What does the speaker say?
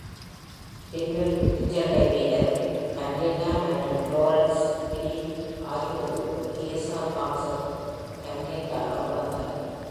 பின்வெல் குத்துச்சண்டை வீரர் கன்யெண்டா மற்றும் புளோரன்ஸ் ஃபிரி ஆகியோருக்கு ஏசா பாக்ஸர் கன்யெண்டாவாக பிறந்தார்.